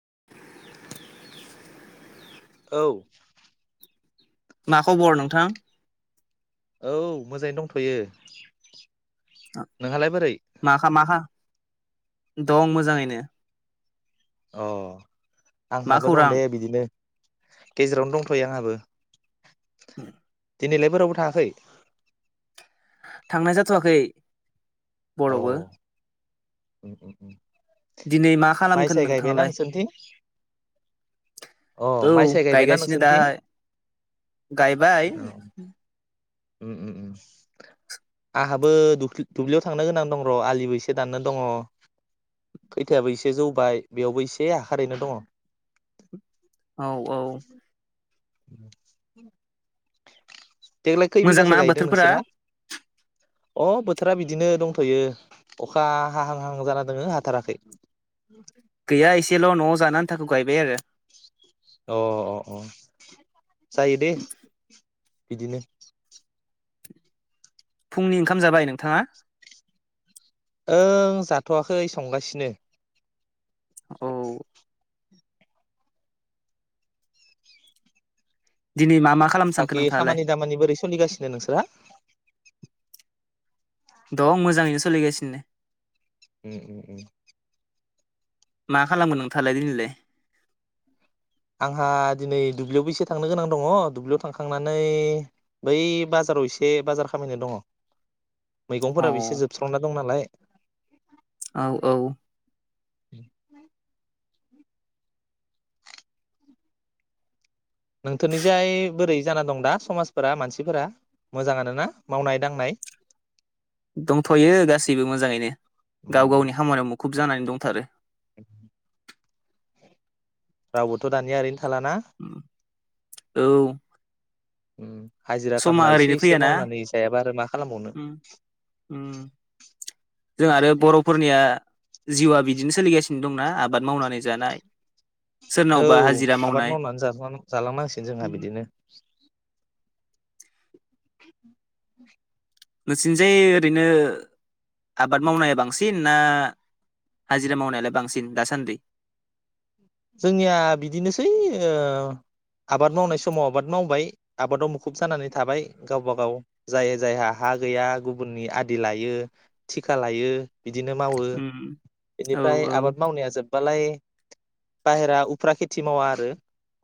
[inaudible] औ मा खबर नोंथां औ मोजाङै दंथ'यो। आ नोंहालाय बोरै माखा माखा दं मोजाङैनो अ मा आंहाबो दं खौरां दे बिदिनो गेजेरावनो दंथ'यो आंहाबो [inaudible] दिनैलाय बोरावबो थाङाखै थांनाय जाथ'वाखै अ बर'बो [unintelligible] दिनै मा माइ खालामगोन साय गायबायना नोंथाङालाय नोंसोरनिथिं अ औ माइ साय गायबायना गायगासिनो दा नोंसोरनिथिं गायबाय औ उम उम आंहाबो दुब्लियाव थांनो गोनां दं र' आलिबो एसे दाननो दङ खैथायाबो एसे जौबाय बेयावबो एसे हरिनो दङ। औ औ [inaudible] [inaudible] देग्लाय खै मोजांना बिगासो गायदों बोथोरफोरा नोंसोरहा अ बोथोरा बिदिनो दंथ'यो अखा हाहां हाहां जाना दोङो हाथाराखै गैया एसेल' न'आव जानो आन्थाखौ गायबाय आरो। अ अ, जायो दे, बिदिनो। फुंनि ओंखाम जाबाय नोंथाङा? ओ जाथ'वाखै संगासिनो। औ [inaudible] दिनै मा मा खालामनो सानखो बाखि नोंथाङालाय खामानि दामानि बोरै सोलिगासिनो नोंसोरा? दं मोजाङैनो सोलिगासिनो दे। ए ए ए। मा खालामगोन नोंथाङालाय दिनैलाय? आंहा दिनै दुब्लियावबो एसे थांनो गोनां दङ दुब्लियाव थांखांनानै बै बाजाराव एसे बाजार खामहैनो दङ। अ मैगंफोराबो एसे जोबस्रांना दं नालाय। औ औ [inaudible] नोंथोरनिजाय बोरै जाना दं दा समाजफोरा मानसिफोरा मोजां आरोना मावनाय दांनाय? दंथ'यो गासैबो मोजाङैनो गाव गावनि खामानियाव मुख खुब जानानै दंथारो। रावबोथ' दानिया ओरैनो थालाना? औ। उम। समा ओरैनो फैयाना आरो मा खालामबावनो जों आरो बर'फोरनिया जिउआ बिदिनो सोलिगासिनो दं ना आबाद मावनानै जानाय। औ सोरनावबा हाजिरा आबाद मावनाय मावनानै जालां जालांनांसिगोन जोंहा बिदिनो। [inaudible] नोंसिनिजाय ओरैनो आबाद मावनाया बांसिन ना हाजिरा मावनायालाय बांसिन दासान्दि? जोंनिया बिदिनोसै ओ आबाद मावनाय समाव आबाद मावबाय आबादाव मुखुब जानानै थाबाय गावबा गाव जाय जायहा हा गैया गुबुननि आदि लायो थिखा लायो। बिदिनो मावो उम औ इनिफ्राय औ आबाद मावनाया जोब्बालाय बाहेरा उफ्रा खेथि मावा आरो।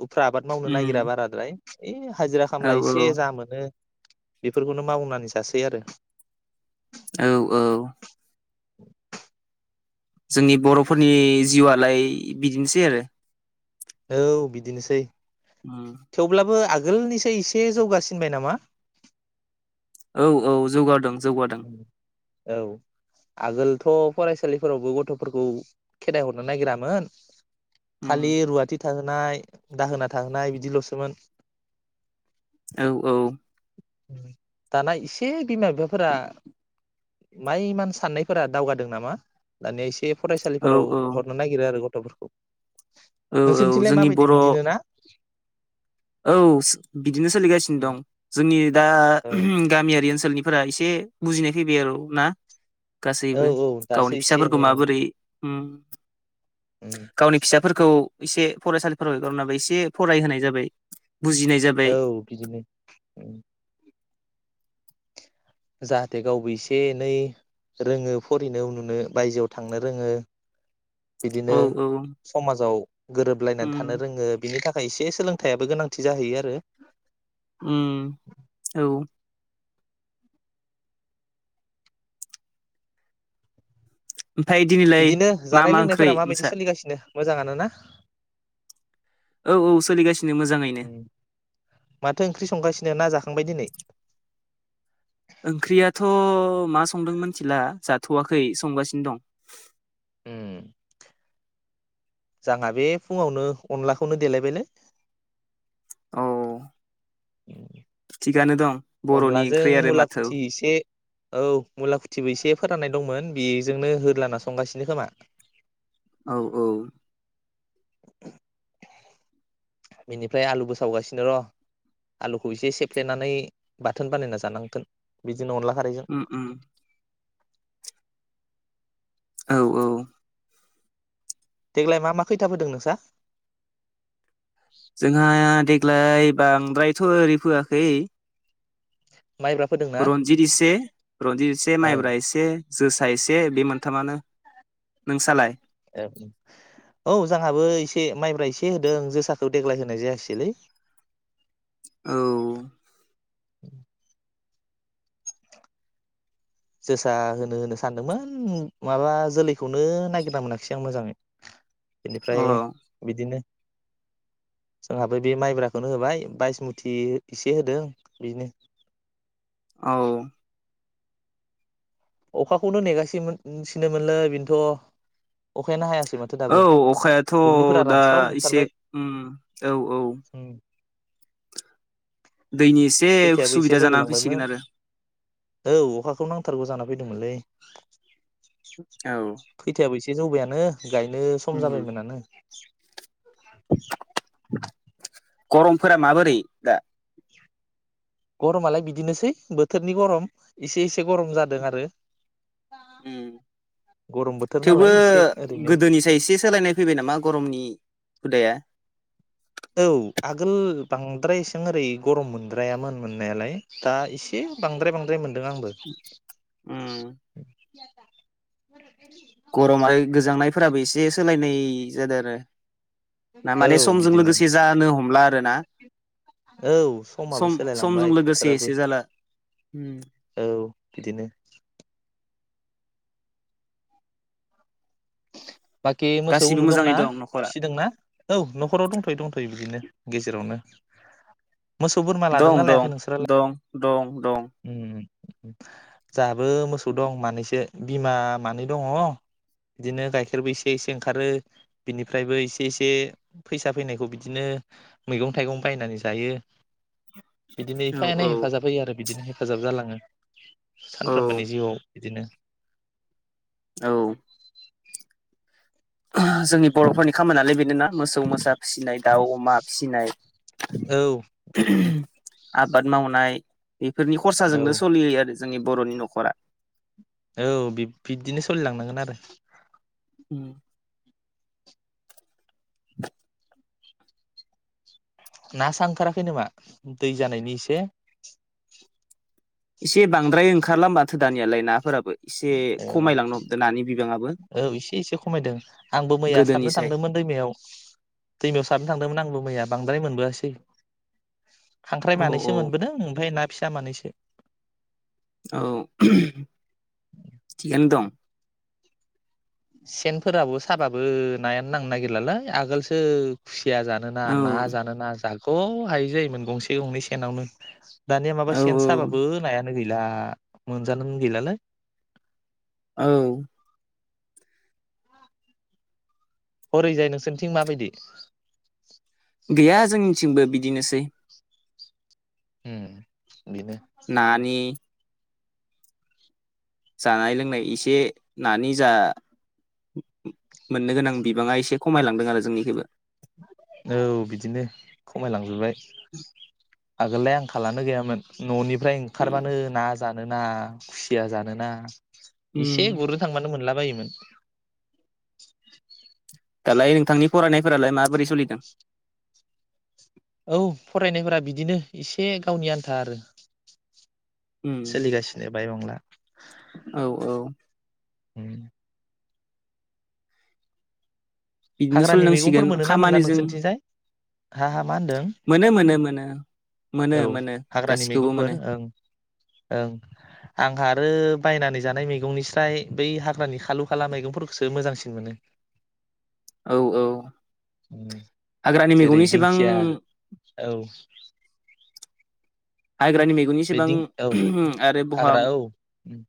उफ्रा आबाद मावनो उम नागिरा बाराद्राय। ए हाजिरा औ खामला एसे औ जा मोनो। बेफोरखौनो मावनानै जासै आरो। औ औ। जोंनि बर'फोरनि जिउआ लाय बिदिनोसै आरो। औ बिदिनोसै। थेवब्लाबो आ गोलनिसाय एसे जौगासिनबाय नामा? औ औ जौगादों । औ आगोलथ फरायसालिफोरावबो गथ'फोरखौ खेदाइ हरनो नागिरामोन । उम खालि रुवाथि थाहोनाय दाहोना थाहोनाय बिदिल'सोमोन । औ औ दाना एसे बिमा बिफाफोरा माइ मान साननायफोरा दावगादों नामा दानिया एसे औ फरायसालिफोराव औ हरनो नागिरो आरो गथ फोरखौ औ औ नोंसोरनिथिंलाय मा जोंनि बायदि बर' बिदिनो ना? औ बिदिनो सोलिगासिनो दं जोंनि दा औ गामियारि ओनसोलनि फोरा एसे बुजिनाय फैबाय आरोव ना औ गासैबो औ दासो गावनि एसे फिसाफोरखौ एनै ओं माबोरै उम उम गावनि फिसाफोरखौ एसे फरायसालिफोराव एगारहरनो हाबाय एसे फरायहोनाय जाबाय । औ बिदिनो जाहाथे गावबो एसे एनै रोङो फरायिनो उनुनो बायजोआव थांनो रोङो । औ बिदिनो औ समाजाव गोरोबलायनानै उम थानो रोङो बिनि थाख एसे सोलोंथायाइयाबो गोनांथि जाहैयो आरो उम औ ओमफाय दिनैलाय बिदिनो मा जानाय मा ओंख्रै लोंनायफोरा माबायदि नोंसा? सोलिगासिनो मोजाङानो ना? औ औ सोलिगासिन उम माथो ओंख्रि संगासिनो ना जाखां बाय दिनै ओंख्रियाथ मा संदों मिथिला जाथवाखै संगासिनो दं उम जाना बे फुङावनो अनलाखौनो देलायबायलै औ [inaudible] थिगआनो दं बर'नि अनलाजों ओंख्रि आरो मुला माथो खुथि इसे औ मुलाखुथिबो एसे फोराननाय दंमोन बेजोंनो होदलाना संगासिनो खोमा । औ औ बिनिफ्राय आलुबो सावगासिनो र' आलुखौ इसे सेफ्लेनानै बाथोन बानायना जानांगोन बि जोंना अनला खारैजों उम उम औ औ देग्लाय मा मा खैथाफोदों नोंसा जोंहा दे ग्लाय बांद्रायथ' ओरै फोयाखै माइब्रा फोदोंना? रनजित इसे रनजित इसे ओं माइब्रा इसे जोसा इसे बे मोनथामानो नोंसालाय ए माइब्रा एसे होदों जोसाखौ देग्लाय होनाय जायासैलै औ [inaudible] जोसा होनो होनो सानदोंमोन माबा जोलैखौनो नागिरना मोनाखिसै आं मोजांङै बेनिफ्राय अ बिदिनो जोंहाबो बे माइब्राखौनो होबाय बायसमुथि एसे होदों बिनो औ अखाखौनो नेगासिमोनसिनोमोनलै बेनोथ' अखायानो हायासै माथो औ दाबो अखायाथ' दुब्लिफोरा दा रानस्राव इसे जोबथारबाय उम औ औ उम दैनि एसे खैथायाबो एसे सुबिदा जानानै जौहोलांबायमोन फैसिगोन आरो औ अखाखौ नांथारगौ जाना फैदोंमोनलै खैथायाबो औ एसे जौबायानो गायनो सम उम जाबायमोनानो [inaudible] [unintelligible] गरमफोरा माबोरै दा गरमालाय बिदिनोसै बोथोरनि गरम इसे इसे गरम जादों आरो ओम गरम बोथोर थेवबो नालाय एसे ओरैनो गोदोनिसाय‌ एसे सोलायनाय फैबाय नामा गरमनि हुदाया औ आगोल बांद्राय एसां ओरै गरम मोनद्रायामोन मोननायालाय दा एसे बांद्राय बांद्राय मोन दों आंबो [unintelligible] उम फोराबो इसे सोलायनाय जादो आरो ना औ माने समजों बिदिनो लोगोसे जानो हमला रोना औ समाबो सोलायलांबाय लोगोसे बोथोराबो एसे जाला उम औ बिदिनो [inaudible] बाखि मोसौ गासिबो उनु दंना मोजाङै दं न'खरा फिसिदोंना औ न'खराव दंथ'यो दंथ'यो बिदिनो गेजेरावनो मोसौ बोरमा दं लादोंना दं लायाखै नोंसोरालाय? दं दं दं उम जाबो मोसौ दं मानैसो बिमा मानै दङ बिदिनो गाइखेरबो एसे एसे ओंखारो बिनिफ्रायबो एसे एसे फैसा फैनायखौ बिदिनो मैगं थाइगं बायनानै जायो। बिदिनो औ एफा एनै औ हेफाजाब होयो आरो बिदिनो हेफाजाब जालाङो। औ सानफ्रोमबोनि जिउआव बिदिनो औ जोंनि बर'फोरनि खामानियानो बेनो ना मोसौ मोसा फिनाय दाउ अमा फिसिनाय औ बेफोरनो आबाद मावनाय बेफोरनि औ खरसाजोंनो सोलियो आरो जों जोंनि बर'नि न'खरा औ बि-बिबदिनो सोलिलांनांगोन आरो उम ना सानथाखाराखै नामा दै जानायनि इसे? एसे बांद्राय ओंखारला माथो दानियालाय नाफोराबो एसे औ खमायलांनो हमदों नानि बिबाङाबो औ एसे एसे खमायदों आंबो मैया सारनो गोदोनिसाय थांदोंमोन दैमायाव दैमायाव सारनो थांदोंमोन आंबो मैया बांद्राय मोनबोआसै खांख्राय औ औ मानैसो मोनबोदों ओमफाय ना फिसा जामानैसो औ थिगानो दं सेनफोराबो साबाबो नायानो नांनो नागिरलालाय आगोलसो खुसि या जानोना ना औ जानोना जाख ख हायै जायोमोन गंसे गंनै सेनावनो दानिया औ माबा सेन साबाबो नाया नो गैला मोनजानो गैलालै औ हरैजाय नोंसोरनिथिं माबायदि? गैया जोंनिथिंबो बिदिनोसै। उम बेनो नानि जानाय लोंनाय इसे नानि जा मोननो गोनां बिबाङा एसे खमायलांदों आरो जोंनिखबो औ बिदिनो खमायलांजोबबाय आगोललाय आंखालानो गैयामोन न'नि फ्राय उम ओंखारबानो ना जानोना खुसिया जानोना उम इसे गुरनो थांबानो मोनला बायोमोन दालाय नोंथांनि फरायनायफोरालाय माबोरै सोलिदों? औ फरायनायफोरा बिदिनो एसे गावनि आन्था आरो उम सोलिगासिनो बायबांला औ औ उम बिदिनो हाग्रानि मैगंफोर सोलिनांसिगोन मोनोना मोनला खामानिजों नोंसोरथिंजाय हा हा मा होनदों मोनो मोनो मोनो मोनो औ मोनो हाग्रानि गासिखौबो मैगंफोर मोनो ओं ओं आंहा आरो बायनानै जानाय मैगंनि स्राय बै हाग्रानि खालु खाला मैगंफोरखौसो मोजांसिन मोनो। औ औ उम हाग्रानि जेरै मैगंनिसेबां दिंखिया औ हाग्रानि मैगं बे एसेबां दिं औ आरो बहा हाग्रा मा औ उम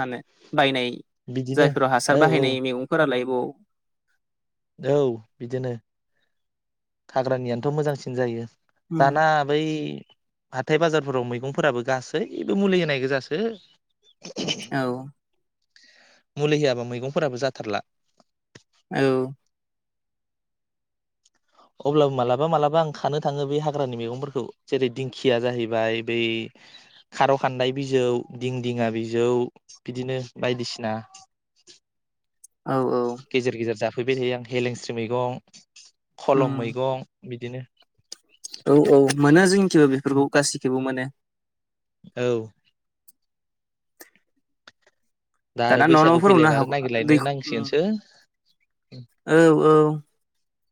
होनो बायनाय बिदिनो जायफोराव हासार औ औ बाहायनाय मैगंफोरालाय औ औ बिदिनो हाग्रानियानोथ' मोजांसिन जायो उम दाना बै हाथाय बाजारफोराव मैगंफोराबो गासैबो मुलि होनाय गोजासो। औ मुलि होयाबा मैगंफोराबो जाथारला औ अब्लाबो मालाबा मालाबा आं खानो थाङो बे हाग्रानि मैगंफोरखौ जेरै दिंखिया जाहैबाय बै खार' खान्दाय बिजौ दिंदिङा बिजौ बिदिनो बायदिसिना औ गेजेर गेजेर जा फैबाय थायो आं हेलेंस्रि मैगं खलम उम मैगं बिदिनो औ औ मोनो जों जोबो बेफोरखौ गाससिखौबो मोने औ दा आरो दाना न' बैसागु न'फोरावनो फैलायबा हा आरो दै नागिरलायनो ओम नांसिगोनसो औ औ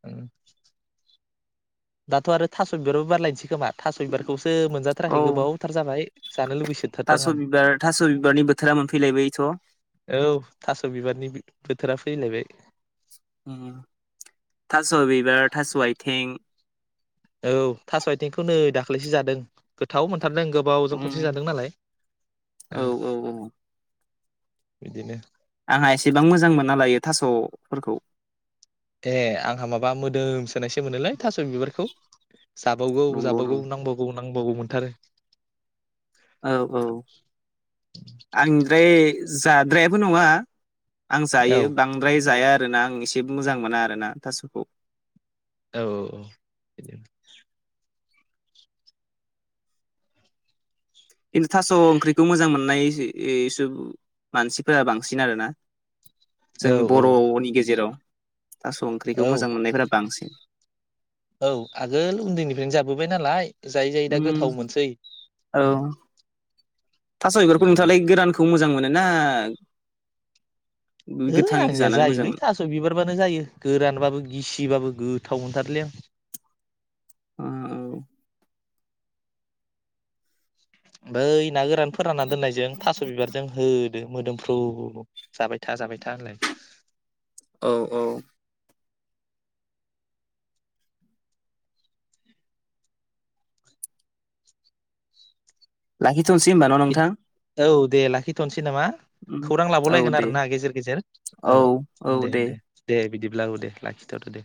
उम दाथ' आरो थास' बिबाराबबो बारलायनोसै खोमा थास' बिबारखौ सो औ मोनजाथाराखै गोबावथार जाबाय जानो लुुबैसोथारदों थास' आं बिबार थास' बिबारनि बोथोरा मोनफैलायबायथ' औ थास' बिबारनि बोथोरा फैलायबाय उम थास बिबार थास आथिं औ थास आथिंखौ नै दाख्लैसो जादों गोथाव मोन हाथारदों गोबावजों उम खनसे जादों नालाय औ औ औ बिदिनो आंहा एसेबां मोजां मोनालायो थासफोरखौ ए आंहा माबा मोदोम सोनायसो मोनोलै थास बिबारखौ जाबावगौ नंगौ जाबावगौ नंगौ नांबावगौ नांबागौ मोनथारो औ औ आं फ्राय जाद्रायाबो नंङा आं औ जायो बांद्राय जाया आरो आरोना आं एसे मोजां मोना आरोना थासखौ औ औ बिदि खिन्थु थास ओंख्रिखौ मोजां मोननायस मानसिफोरा बांसिन आरोना औ जोंनि बरनि गेजेराव थास औ ओंख्रिखौ मोजां मोननायफोरा बांसिन औ आगोल उन्दैनिफ्रायनो जाबोबाय नालाय जायै जायै दा उम गोथाव मोनसै औ थास' बेफोरखौ नोंथाङालाय गोरानखौ मोजां मोनो ना ओइ गोथाङैखौ आंनिया जानानै मोजां जायोलै मोनो थास' बिबारबानो जायो गोरानबाबो गिसिबाबो गोथाव मोनथारलै आं [inaudible] अ औ नै ना गोरान फोराना दोननायजों थास' बिबारजों हो मोदोमफ्रु जाबाय था जाबाय था होनलाय औ औ लाखि दिथ'नोसै होनोमबा न' नोंथां औ दे लाखिथनसै नामा खौरां औ लाबावलायगोन दे आरो ना गेजेर गेजेर औ दे दे दे बिदिब्लाबो दे लाखिथदो दे